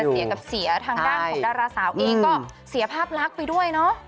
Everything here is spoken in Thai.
เสียกับเสียทางด้านของดาราสาวเองก็เสียภาพลักษณ์ไปด้วยเนาะ